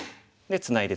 ツナいで